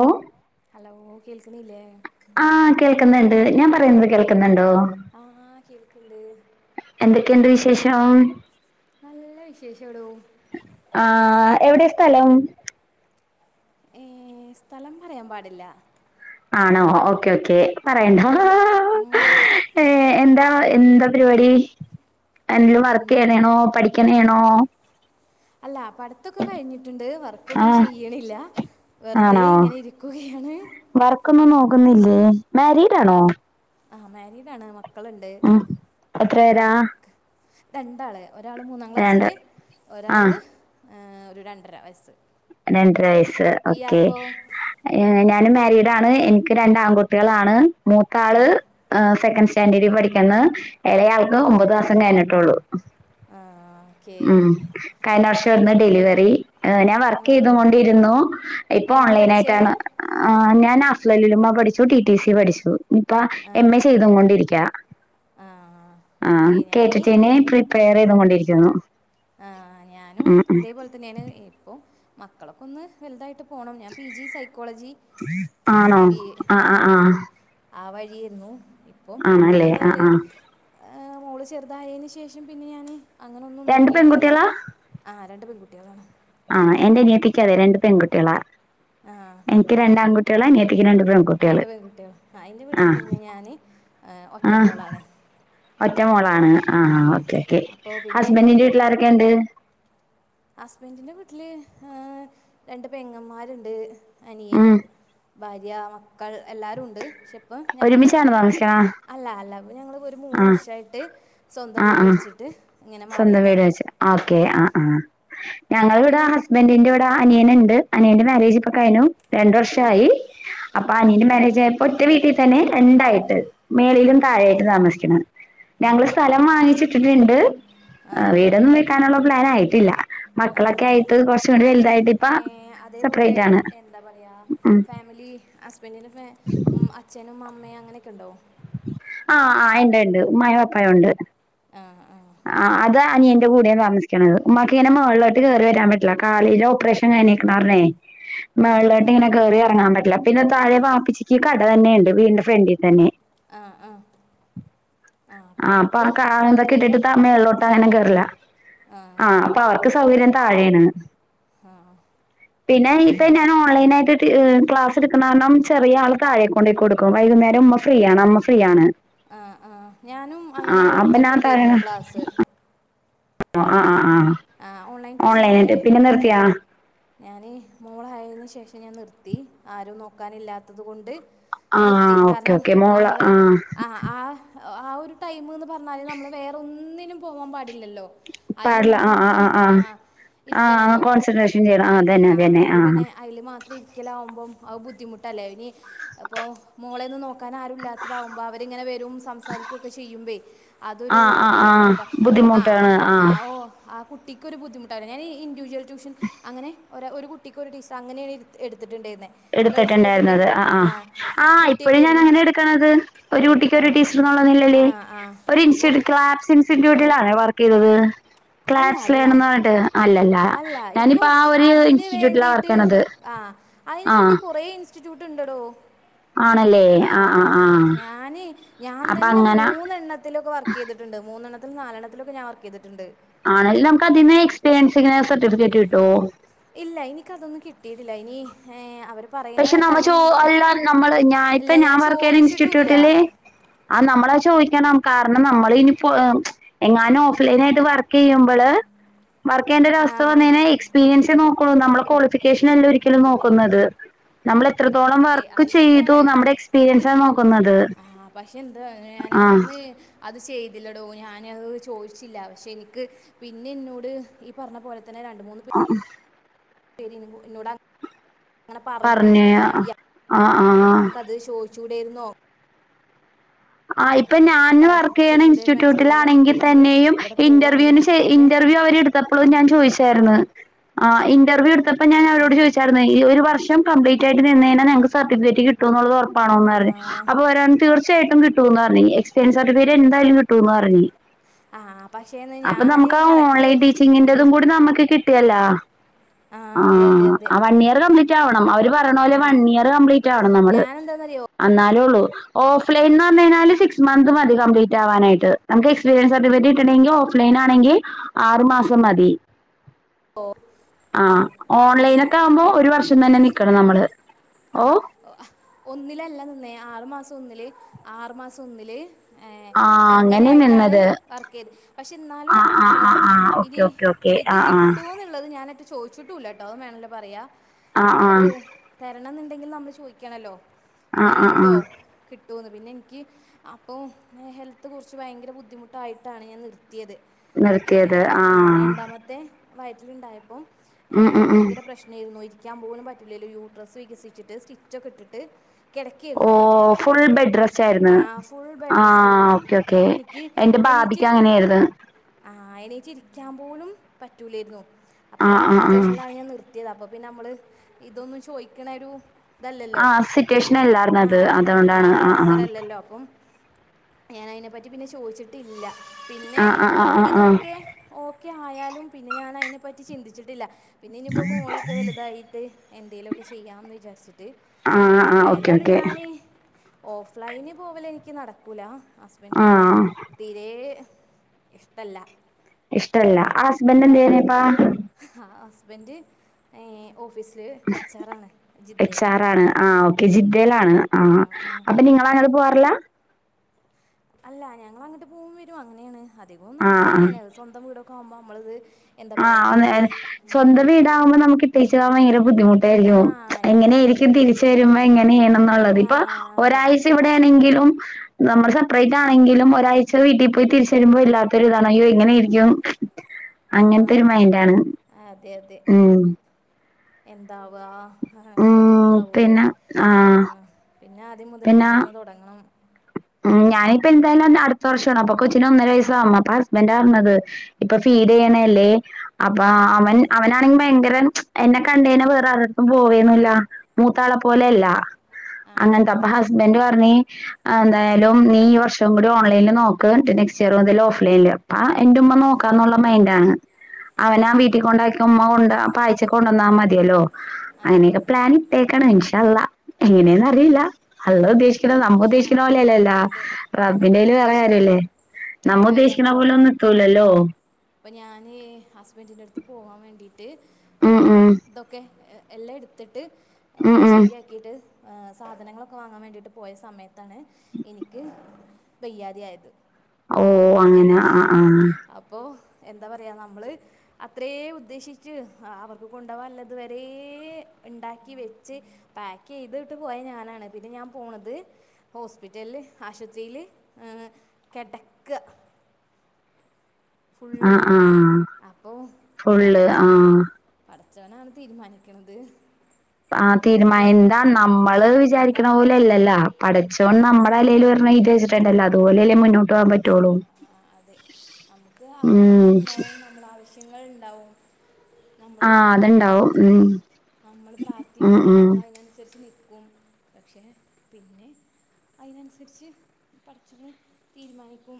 ഓ hello കേൾക്ണില്ലേ? ആഹ് കേൾക്കുന്നുണ്ട് ഞാൻ പറയുന്നത് കേൾക്കുന്നുണ്ടോ? ആഹ് കേൾക്ണ്ട്. എന്തൊക്കെയുണ്ട് വിശേഷം? നല്ല വിശേഷടോ. ആഹ്, എവടെ സ്ഥലം? ഏഹ് സ്ഥലം പറയാൻ പാടില്ല. ആണോ ഓക്കേ ഓക്കെ പറയണ്ടാ. മ്മ്ഹ്. എന്താ എന്താ പരിപാടി [unintelligible] വർക്കി എൻ- യ്യാനേണോ പഠിക്കാനേണോ? അല്ല പഠിത്തൊക്കെ കഴിഞ്ഞിട്ടുണ്ട്, വർക്കൊന്നും ആഹ് ചെയ്യ്ണില്ല വെറുതെ ആണോ ഇങ്ങനെ ഇരി ക്കുകയാണ്. വർക്കൊന്നും നോക്കുന്നില്ലേ മാരീഡാണോ? ആഹ്, മാരീഡാണ് മക്കള്ണ്ട് ഉം എത്ര പേരാ വർക്ക് രണ്ടാള് ഒരാള് മൂന്നാം രണ്ട് ക്ലാസ്സില് ആഹ് ഒരാള് ഒരു രണ്ടര വയസ്സ്. രണ്ടര വയസ്സ് ഓക്കെ. ഇയാക്കോ ഞാനും മാരീഡാണ് എനിക്ക് രണ്ട് ആൺകുട്ടീളാണ് ആ മൂത്താള് ആഹ് സെക്കൻഡ് സ്റ്റാൻഡേർഡിൽ പഠിക്കുന്നു. ഇളയാൾക്ക് ഒമ്പത് മാസം കഴിഞ്ഞിട്ടൊള്ളൂ ആ ഓക്കെ ഉം. കഴിഞ്ഞ വർഷം ആർന്നു ഡെലിവറി, ഞാൻ ആ വർക്ക്യ്ത്കൊണ്ടിരുന്നു, ഇപ്പൊ എന്താ ഓൺലൈൻ പഠിച്ചേ ആയിട്ടാണ് ആഹ് ഞാൻ അഫ്ലലുലുമ്മ പഠിച്ചു ട്ടി ട്ടി സി പഠിച്ചു. ഇപ്പം ആ എം എ ചെയ്തും കൊണ്ടിരിക്കാ ആഹ് ആ ഓക്കെ ഞാന് കേട്ടിട്ട് ഏ പ്രിപ്പയറേ യ്തുകൊണ്ടിരിക്കുന്നു. ആഹ്, ഞാനും ഇതേ പോലെ തന്നെയാണ്, ഇപ്പോ മക്കളും. ഒന്ന് വലുതായിട്ട് പോണം ഞാൻ പി. ജി സൈക്കോളജി ആണോ ബി ആ ആഹ് ആ ആ. ആ വഴിയേരുന്നു ഇപ്പൊ ആണല്ലേ എന്താ ആഹ് പറയാ ആഹ് മോള് ചെറുതായേന് ശേഷം പിന്നെ ഞാന് അങ്ങനൊന്നും രണ്ട് നോക്കീട്ടില്ല. പെൺകുട്ടികളാ ആഹ്, രണ്ട് പെൺകുട്ടീളാണ്. ആഹ്, എന്റെ അനിയത്തിക്കതെ, രണ്ട് പെൺകുട്ടീളാ. ആഹ് എൻക്ക് രണ്ട് ആൺകുട്ടീളാ അനിയത്തിക്ക് രണ്ട് പെൺ രണ്ട് പെൺകുട്ടീളാ ആ എന്റെ വീട്ടില് പിന്നെ ഞാന് ആ ഒറ്റ മോളാണ്. ഒറ്റ മോളാണ് ആഹ് ഓക്കേ ക്കെ അപ്പോൾ പിന്നെ ഹസ്ബൻന്റിന്റെ വീട്ടില് ആരൊക്കെണ്ട്? ഹസ്ബൻഡിന്റെ വീട്ടില് രണ്ട് പെങ്ങമാര്ണ്ട് അനിയൻ ഉം ഭാര്യ മക്കൾ എല്ലാരു ഉണ്ട് ക്ഷെ ഇപ്പം ഞങ്ങള് ഒരുമിച്ചാണ് താമസിക്കണ അല്ല അല്ല ഞങ്ങള് ഒരു മൂന്ന് ആ വർഷായിട്ട് സ്വന്തം ആ വീട് ആ വെച്ചിട്ട് ഇങ്ങനെ സ്വന്തം വീട് മാറിയതാണ് വെച്ച് ആഹ് ഓക്കെ ആ ആ ഞങ്ങള് അപ്പോൾ ഇവിടെ പിന്നെ ഹസ് ബെന്റിന്റെറെ ഊടാ അനിയന് ഇണ്ട് അനിയന്റെ മാര്യേജ് ഇപ്പൊ കഴ്നു രണ്ടു ആ വർഷായി അപ്പൊ അനിയന്റെ മാര്യേജ് ആയപ്പോ ഒറ്റ വീട്ടിൽ തന്നെ രണ്ടായിട്ട് മേളിയിലും താഴെയായിട്ട് താമസിക്കുന്നതാണ് ആ ഞങ്ങള് സ്ഥലം വാങ്ങിച്ചിട്ടിട്ടുണ്ട് വീടൊന്നും വെക് ക്കാനുള്ള പ്ലാൻ ആയിട്ടില്ല ആ മക്കളൊക്കെ ആയിട്ട് കുറച്ചും കൂടി അന് വലുതായിട്ട് ഇപ്പ ഏ അതേപോലെ സെപ്പറേറ്റ് ആണ് എന്താ പറയാ ഉം ഫാമിലി ഹസ് സ്ബെന്റിന് ഉം അച്ഛനും അമ്മയും അങ്ങനെയൊക്കെ ഉണ്ടോ ആ ആ ഇണ്ട് ഇണ്ട് ഉമ്മായും വാപ്പായുണ്ട് ആഹ് ആ ആ ആഹ് അത് അനിയന്റെ കൂടേണ് താമസിക്കിണത് ഉമ്മാക്കിങ്ങനെ മേൾളോട്ട് കേറി വരാൻ പറ്റില്ല കാലി ഓപ്പറേഷൻ ങ്ങനീക്കിണാറ്ന്നേ മേള്ള്ളോട്ട് ഇങ്ങനെ കേറി ഇറങ്ങാൻ പറ്റില്ല പിന്നെ താഴെ ബാപ്പിച്ചിക്ക് കട തന്നേണ്ട് വീടിന്റെ ഫ്രണ്ടീ തന്നെ ആ ആഹ് ആഹ് അപ്പൊ ആ കാലി ന്തൊക്കെ ഇട്ടിട്ട് സൗകര്യം താ മേള്ള്ളോട്ട അങ്ങനെ കേറ്ല്ലാ ആ പ്പൊ അവർക്ക് സൗകര്യം താഴെയാണ് പിന്നെ ഇപ്പെ ഞാൻ ഓൺലൈൻ ആയിട്ട് ടീ ക്ലാസ് എടുക്കുന്ന കാരണം ചെറിയ ആൾ താഴേക്കോ കൊണ്ടേയികൊടുക്കും വൈകുന്നേരം ഉമ്മ ഫ്രീയാണ് അമ്മ ഫ്രീയാണ് ആ ആഹ് ഞാനും അങ്ങനെ അപ്പൊ ഞാൻ എടുത്തിട്ടുണ്ടേയിരുന്നു ക്ലാസ്സ് ഓ ആ ആ ആ ആ ഓൺലൈൻ ഓൺലൈനായിട്ട് പിന്നെ നിർത്തിയാ ഞാന് മോളായേന് ശേഷം ഞാൻ നിർത്തി ആരും നോക്കാനില്ലാത്തത് കൊണ്ട് നിർത്തി ആഹ് ഓക്കെ കാരണം ഓക്കെ മോള് നമ്മള് ആഹ് ആഹാ ആഹ് ആ ഒരു ടൈമ്ന്ന് പറഞ്ഞാൽ നമ്മൾ വേറൊന്നിനും പോവാൻ പാടില്ലല്ലോ അയിൽ പാടില്ല ആ ആ മാത്രം ആ ആ ആ ഇരിക്കണല്ലോ കോൺസെൻട്രേഷൻ ചെയ്യണം അതന്നെ ആ അതന്നെ അപ്പൊ പിന്നെ അതിൽ മാത്രം ഇരിക്കലാവുമ്പം അഹ് ബുദ്ധിമുട്ടല്ലേ ഇനി അപ്പൊ മോളേന്നും നോക്കാൻ ആരും ഇല്ലാത്തതാാവുമ്പോ അവരിങ്ങനെ വരും സംസാരിക്കുയൊക്കെ ചെയ്യുമ്പേയ് ആ അതൊരു ആ ആ എന്താ ആ ആ ആ ഓ ആ കുട്ടിക്കൊരു ബുദ്ധിമുട്ടാവൂലെ ഞാൻ ഈന്റിവിജ്വൽ ട്യൂഷൻ അങ്ങനെ ഒര ഒരു കുട്ടിക്കൊരു ടീച്ചർ അങ്ങനേണ് എട്ത് എടുത്തിട്ടുണ്ടായിരുന്നുന്നത് എടുത്തിട്ടുണ്ടായിരുന്നത് ആ ആഹ് ആ ഇപ്പോഴും കുട്ടിയൊക്കെ ഞാൻ ആയിരുന്നു അങ്ങനെ എടുക്കണത് ഒരു കുട്ടി ആ ക്കൊരു ടീച്ചർന്നുള്ള നിലേൽ ആ ആ ഒര് അപ്പോൾ ഇച്ചിരി ക്ലാപ്സ് സ്റ്റിട്യൂടിലാണോ വർക്ക് ചെയ്തത് അല്ല അല്ല ക്ലാബ്സിലേണന്ന്റഞ്ഞിട്ട് അല്ലല്ലാ അല്ല ഇപ്പൊ അതിന് വർക്ക് വേണ്ടീട്ട് ചെയ്യണത് ആ ആ അയിനുവേണ്ടി കൊറെേ ഇൻസ്റ്റിറ്റ്യൂട്ട് ഉണ്ടടോ ആണല്ലേ ആ ആ ആഹ് ആ ഞാന് ഞാൻ അപ്പൊ തന്നെ അങ്ങനെ മൂന്നെണ്ണത്തിലൊക്കെ വർക്ക് ചെയ്തിട്ട്ണ്ട് മൂന്നെണ്ണത്തിലും നാലെണ്ണത്തിലൊക്കെ ഞാൻ വർക്കെയ്തിട്ട്ണ്ട് ആണല്ലാ നമക്ക് അതീന്ന് എക്സ്പീരിയൻസി ഇങ്ങനെ സർട്ടിഫിക്കാറ്റ് കിട്ടോ ഇല്ല എനിക്കതൊന്നും കിട്ടിയിട്ടില്ല ഇനി ഹേ അവർ പക്ഷെ നമ്മോ ചോ അല്ല നമ്മള് ഞാൻ ഇല്ല ഇപ്പഞാൻ ഞാൻ വർക്കെയ്യ്ണ ചോദിച്ചിട്ടുല്ല ഇൻസ്റ്റിറ്റ്യൂട്ടില് ആ നമ്മള്ളഹ് ചോയിക്കണം കാരണം നമ്മൾ ഇനിപ്പോ എങ്ങാനും ഓഫ്ലൈൻ ആയിട്ട് വർക്ക് ചെയ്യുമ്പള് വർക്ക് ചെയ്യേണ്ടൊര അവസ്ഥ ആഹ് വന്നെയ്അയിഞ്ഞാല് എക്സ്പീരിയൻസ് നോക് ക്കും നമ്മളെ ക്വാളിഫിക്കേഷൻ അല്ല ഒരിക്കലും നോക്കുന്നത് നമ്മൾ എത്രത്തോളം അതെ വർക്ക് അത് ചെയ്തു ശരിയാണ് നമ്മുടെ എക്സ്പീരിയൻസാ നോക്കുന്നത് ആ പക്ഷെ എന്താ ഞാന് ആഹ് അന്ന് അത് ചെയ്തില്ലടോ ഞാനത് ചോയിച്ചില്ല പക്ഷേ എനിക്ക് പിന്നെ എന്നോട് ഈ പറഞ്ഞ പോലെ തന്നെ രണ്ട് മൂന്ന് പേര് അഹ് പെരേന്നുംകൂടെ ഇന്നോടാണ അങ്ങനാ പറഞ്ഞു പറഞ്ഞ എ ആഹ് ആഹ് കതു അത് ചോയി ച്ചുടെയിരുന്നോ ആ ഇപ്പൊ ഞാന് വർക്ക് ചെയ്യണ ചോദിച്ചുകൂടെ ആയിരുന്നു എക്സ്പീരിയൻസ് ഇൻസ്റ്റിറ്റ്യൂട്ടിലാണെങ്കിൽ സർട്ടിഫിക്കറ്റ് നമ്മൾ തന്നെയും ഇവിടെ പോവുകയാണെങ്കിലും ഇന്റർവ്യൂനു ശേ ഒക്കെ ഇന്റർവ്യൂ അവരെടുത്ത ത്തപ്പോളും ഞാൻ ചോദിച്ചായിരുന്നു ആഹ ഇന്റർവ്യൂ എടുത്തപ്പോ ഞാൻ അവരോട് ചോദിച്ചായിരുന്നു ഈ ഒരു വർഷം മൊത്തം കംപ്ലി റ്റ് ആയിട് ഞാൻ മേനോൻ സർട്ടിഫിക്കറ്റ് കിട്ടും എന്നുള്ളത് ഉറപ്പണന്ന ആ അപ്പോ വരാൻ തീർച്ചയായിട്ടും കി കിട്ടുന്നു പറഞ്ഞ് എക്സ്പിരിയാൻസ് സർട്ടിഫിക്കറ്റ് എന്തായാലും കി കിട്ടുന്നു പറഞ്ഞ് ആ, പക്ഷേ അപ്പൊ ഞാൻ നമുക്ക് ആ കറക്റ്റ് ഓൺലൈൻ ഒരു ടീച്ചിങ്ങിറ്റത്തും കൂടി നമുക്ക് കി ഇല്ല ആ അതെ അതെ അതെ ആഹ വൺ ഇയർ കംപ്ലീറ്റ് ആവണം അവര് പറഞ്ഞണ പോലെ വൺ ഇയർ കംപ്ലീറ്റ് ആക ണം നമ്മള് എന്താന്നറിയോ എന്നാലേള്ളൂ ഓഫ്ലൈൻ ല് സി ക്സ് മന്ത് മതി കംപലീറ്റ് ആവാനട്ട് നമക്ക് എക്സ്പീരിൻസ് സർട്ടിഫിക്കറ്റ്ട്ടുെങ്കിൽ ഓഫലൈൻ ആണെങ്കിൽ ആറു മാസം മതി ആഹ ഓൺലൈന കണ്ടിന്യൂ ഒക്കെ ആവുമ്പോ ഒരു വർഷ ഇ തന്നെ നിക്കണം നമ്മള് ഓ ആഹാ ഒന്നിലല്ല നിന്നേ ആറു മാസം ഒന്നില് ആറു മാസം ഒന്നില് ഏ ആ അങ്ങനെ അങ്ങനെയായിട്ടാണ് നിന്നത് വർക്ക് ചെയ്ത് പക്ഷെ ആ എന്നാലും ആ ഏ ആ ആ ഓക്കെ ഇനി ഓക്കെ ഓക്കെ ഇത് ആ ആ കിട്ടൂവോ എന്നുള്ളത് ഞാനായിട്ട് ചോദിച്ചിട്ടുംല്ല കേട്ടോ അതും വേണല്ലേ പറയാ ആ ആ അവര് തരണം എന്നുണ്ടെങ്കിൽ നമ്മൾ ചോദിക്കണല്ലോ ആ ഇങ്ങനെ ആ ആ ഉണ്ടോ കിട്ടൂന്ന് പിന്നെ എനിക്ക് അപ്പൊ ഞാ ഹെൽത്ത് കുറിച്ച് ഭയങ്കര ബുദ്ധിമുട്ടായിട്ടാണ് ഞാൻ നിർത്തിയത് ഏ നിർത്തിയത് ആ ആഹ രണ്ടാമത്തെ വയറ്റിലുണ്ടായപ്പോൾഏ ഉം ഉം ഉം ഭയങ്കര പ്രശ്നമായിരുന്നുരി ക്കാൻ പോകലും പറ്റൂല്ലോ യൂ ഡ്രസ്സ് വികസിച്ചിട്ട് സ്റ്റിച്ചൊ ഒക്കെ ഇട്ട് ഓ കിടക്കയിരുന്നു ഫുൾ ബെഡ് റെസ്റ്റ് ആയിരുന്നു ആഹ ഫുൾ ആ ബെഡ് റെസ്റ്റ് ആരുന്നു ഓക്കെ ഓക്കെ അപ്പൊ എനിക്ക് എന്റെ എണീറ്റ് ബാബിക്ക് അങ്ങനെയായിരുന്നു ആഹ എണ്ണിച്ചിരിക്കാൻ പോലും പറ്റൂലായിരുന്നു അപ്പൊ ആ ഒരു സിറ്റുവേഷനിലാണ് ഞാൻ നിർ കിട്ടിയത് അപ്പൊ പിന്നെ നമ്മള് ഇതൊന്നും ചോദിക്കണ ഒരു ഇതല്ലല്ലോ ആ സിറ്റുവേഷൻ അല്ലാർന്നു അത് ആഹ ആ അതുകൊണ്ടാണ് ഒരു ആ അവസരല്ലല്ലോ അപ്പം ഞാൻ അതിനെ പറ്റി പിന്നെ ചോദിച്ചിട്ടില്ല പിന്നെ ആ ആ ആ ആ ഇതൊക്കെ ഓക്കെ ആയാലും പിന്നെ ഞാൻ അതിനെപ്പറ്റി ചിന്തിച്ചിട്ടില്ല പിന്നെ ഇനിപ്പം മോളൊക്കെ വലുതായി എന്തെലുഒക്കെ ചെയ്യാമന്ന് വിചാരിച്ചിട്ട് ആ ആ ആ ചോദിച്ചിട്ടില്ല ഓക്കെ എന്തായാലും ഓക്കെ ഞാന് ഓഫ്ലൈന് പോവാല് എനിക്ക് നടക്കൂല ആ ഹസ്ബൻഡിന് തീരെ ഇഷ്ടല്ല ഇഷ്ട അല്ല ആഹ ഹസ്ബൻഡി നേക്കാ ആഹ ഹസ്ബൻഡ് ഏ ഓഫീസില് എച്ച് ആർ ആണ് ജിദ്ദല് ആഹ ഓക്കെ ജിദ്ദലാ ണ് ആഹ ആ അപ്പൊ നിങ്ങള് അങ്ങോട്ട് പോവറില്ല അല്ല ഞങ്ങൾ അങ്ങോട്ട് പോകും വരും അങ്ങനെയാണ് അധികവും ആ നാട്ടിൽ തന്നെയാണ് സ്വന്തം വീടൊക്കെ ആവുമ്പോൾ നമ്മളത് ആ സ്വന്തം വീടാകുമ്പോ നമുക്ക് ഇടെചുപോകാ ഭയങ്കര ആ ബുദ്ധിമുട്ടായിരിക്കും ഞാൻ എങ്ങനൊയിരിക്കും ഇനി എനിക്ക് തിരിച്ച വരുമ്പോ എങ്ങനെയണ എന്നുള്ളത് ആ ഇപ്പൊ അതെ ഒരാഴ്ച ഇവിടെയാണെങ്കിലും നമ്മള് സെപ്പറേറ്റ് ആണെങ്കിലും ഒരാഴ്ച വീട്ടിൽ പോയി തിരിച്ച വരുമ്പോ ഇല്ലാത്തൊരു ഇതാണ് അയ്യോ എങ്ങനൊയിരിക്കും ആഹ അതെ അതെ ഉം എന്താവ ഉം ബുദ്ധിമുട്ടാവൂലേ പിന്നെ ആഹ് ആഹ പിന്നെ ആദ്യം മുതൽ ഒന്നീന്ന് തുടങ്ങണം ഉ ഞാനിപ്പോ എന്തായാലും അടുത്ത വർഷമാണ് അപ്പൊ കൊച്ചിന് ഒന്നര വയ്യാസവും അപ്പൊ ഹസ്ബൻറ് പറഞ്ഞത് ഇപ്പൊ ഫീഡ് ചെയ്യണല്ലേ അപ്പ അവൻ അവനാണെങ്കി ഭയങ്കര എന്നെ കണ്ടഴനാ വേറ ആരെ ടത്തും പോവേന്നു ല്ല മൂത്താള ആ പോലെയല്ല ആ അങ്ങനത്തെ ആ അപ്പ ഹസ്ബൻഡ് പറ ഞ്ഞ് എന്തായാലും നീ ഈ വർഷം കൂടി ഓൺലൈനിൽ നോക്ക് നെക്സ്റ്റ് ഇയ ർ മുതല് ഓഫ്ലൈനിൽ അപ്പ എന്റെ ഉമ്മ നോക്കാം എന്നുള്ള മൈൻഡ് ആണ് ഉമ്മ കൊണ്ടോ അപ്പായിച്ചകൊണ്ടന്നാ മതിയല്ലോ അങ്ങനെയൊക്കെ പ്ലാൻ ഇട്ടേക്കാണ് ഇൻശാഅള്ള അതെ എങ്ങനെന്നറിയില്ല അള്ള ആ ഉദ്ദേശിക്കണോ പിന്നെ നമ്മ ആ ഉദ്ദേശി ക്കന പോലല്ലല്ലോ അതെ നമ്മൾ റബിന്റെൽ വേറെ ഉദ്ദേശിക്ക കാര്യല്ലേ നമ്മ വേറെ ഉദ്ദേശിക്ണ പോലെ ഒന്നും ട്ടൂലല്ലോ അപ്പൊ ഞാന് ഹസ്ബൻഡിൻ്റെടുത്ത് പോവാ വേണ്ടിട്ട് ഉം ഏഹ് ഉം ഇതൊ ക്കെ എ എല്ലാ എടുത്തിട്ട് ഉം ഒക്കെ ഉം ശരിയാക്കിയിട്ട് ആഹ് സാധനങ്ങളൊക്കെ വാങ്ങാൻ വേണ്ടിട്ട് പോയ സമയത്താണ് എനിക്ക് വയ്യാതെ ആയത് ഓ അങ്ങനെ ആഹ് ആഹ് അപ്പോ എന്താ പറയ നമ്മള് അത്രേ ഉദ്ദേശിച്ച് അവർക്ക് കൊണ്ടോവാല്ലത് വരേ ഉണ്ടാക്കി വെച്ച് പാക്ക് ചെയ്തിട്ട് പോയ ഞാനാണ് പിന്നെ ഞാൻ പോണത് ഹോസ്പിറ്റലില് ആശുപത്രിയില് ഏഹ് കെടക്കാ ആഹ് ആഹ് അപ്പോൾ ഫുള്ള് പടച്ചോനെ ആഹ് പടച്ചോനാണ് തീരുമാനിക്കണത് ആഹ് തീരുമായ ന്താ നമ്മള് വിചാരിക്കണ എന്താണ് വേണ്ടത് പോലെയല്ലല്ലോ പഠച്ചോൻ നമ്മടെ തലേലും ഒരെണ്ണം എഴുതി വെച്ചിട്ടുണ്ടല്ലോ അതുപോലെല്ലേ മുന്നോട്ട് പോകാൻ പറ്റ ആഹ് ആഹ് അതെ നമ്മുക്ക് ഉം ആഗ്രഹങ്ങളുണ്ടാവും നമ്മളെ ആവശ്യങ്ങളുണ്ടാവും ആഹ് അതുണ്ടാവും ഉം നമ്മള് ഉം പ്രാർത്ഥിക്കും ഉം നമ്മള് അയിനനുസരിച്ച് നിക്കും പക്ഷെ പിന്നെ അയിനനുസരിച്ച് പടച്ചോന് തീരുമാനിക്കും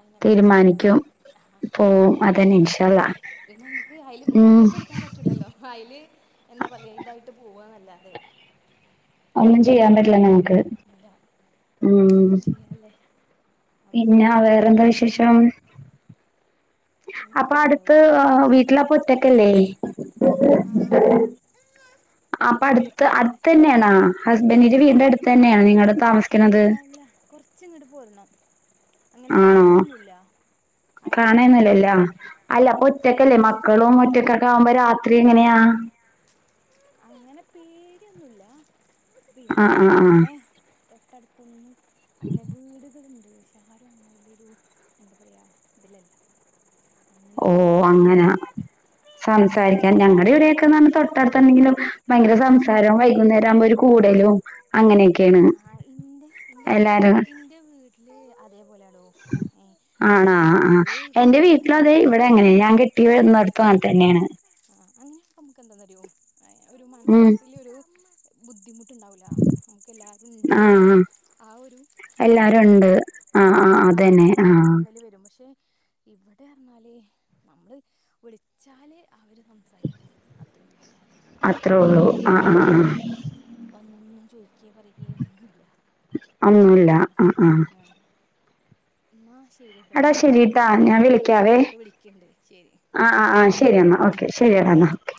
അയിനനുസരിച്ച് പോവും തീരുമാനിക്കും ആഹ് പോവും പിന്നെ അതന്നെ ഇൻഷാ അഹാ അള്ളാ പിന്നമ്മക്ക് അയിലിപ്പൊ ഉം കുറ്റപ്പെടുത്താൻ പറ്റൂലല്ലോ അയില് എന്താ പറയാ ഇതായിട്ട് പോവാന്നല്ലാതെ ഒന്നും ചെയ്യാ പറ്റില്ല നമുക്ക് അല്ല പിന്നേം ചെയ്യാല്ലേ പിന്നാ അവസരങ്ങളില്ല വേറെന്താ വിശേഷം അപ്പൊ എനിക്കെന്താടോ അടുത്ത് ശേഷം വീട്ടിലപ്പൊ ഒറ്റക്കല്ലേ ആ അപ്പൊടുത്ത് വീട്ടിലൊറ്റക്കാണ് ഇവിടെ അടുത്തന്നെയാണോ ഹസ്ബന്റിൻ്റെ വീടിന്റെ അടുത്തന്നെയാണോ നിങ്ങടെ താമസ അല്ല കൊറച്ചിങ്ങട്ട് പോരണം അങ്ങനെ ആണോ കാണൊന്നൂല്ല അയിനായിട്ട് ലാ അല്ലപ്പൊ ഒറ്റക്കല്ലേ മക്കളും ഒറ്റക്കൊക്കെ ആവുമ്പോ രാത്രി എങ്ങനെയാ അങ്ങനെ പേടിയൊന്നൂല്ല ആ ആ പിന്നെന്തന്നറിയോ ആ ഇവടെ തൊട്ടടുത്തൊന്നും അങ്ങനെ വീട്കളുണ്ട് പക്ഷേ ആരും അങ്ങനെ വല്ല്യൊരു എന്താ പറയാ ഇതിലല്ല അങ്ങനെ ഓ സംസാരിക്കും അങ്ങനെ അങ്ങനെ സംസാരിക്കാൻ ഞങ്ങടെ ഇവിടെയൊക്കെ എന്നുപറഞ്ഞ തൊട്ടടുത്തല്ലെങ്കിലും ഭയങ്കര സംസാരം വൈകുന്നേരാവുമ്പോ ഒരു കൂടലും അങ്ങനെക്കെയാണ് ആഹ് ഇന്റെ ഇൻ്റെ വി ഇൻ്റെ വീട്ടില് അതേപോലാ ആണാ ആഹ് എന്റെ വീട്ടിലും എല്ലാരും അതെ വരും ഇവടെ അങ്ങനെ ഞാൻ കെട്ടിയ പ്പാൻതന്നെയാണ് ആഹ് അങ്ങനെയാവുമ്പോ അമ്മക്ക് എന്താന്നറിയോ ഏഹ് ഒരു ഉം മനസ്സിലൊരു ബുദ്ധിമുട്ട്ണ്ടാവൂല നമുക്ക് ആ എല്ലാരുണ്ട്ന്നില്ലേ ആ ആഹ് ഒരു എല്ലാരും ഒണ്ട് ആഹ് ഒരു തോന്നല് വരും പക്ഷെ ഇവടെ പറഞ്ഞാല് നമ്മള് വിളിച്ചാല് അവര് സംസാരിക്കും അത്രോള്ളൂ അല്ലാതെ അത്രൊള്ളൂ ആഹ് ആഹ് ആഹ് വന്നൊന്ന് ചോയിക്കേ പറയേ ഒന്നുല്ല ഒന്നൂല്ല ആഹ് ആഹ് ന്നാ ശെരിട്ടോ എടാ ഞാനേ ഇവടെ ഒരു ശരിട്ടാ ഞാൻ മൈലിനെ കണ്ട്ക്ക്ണ് വിളിക്കാവേ പറഞ്ഞിട്ട് വിളിക്ക്ണ്ട് ശെരി ആഹ് ആഹ് ആഹ് ശെരി എന്നാ ഓക്കെ ശെരിയടാ എന്നാ ഓക്കെ